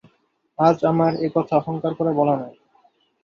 আজ আমার এ কথা অহংকার করে বলা নয়।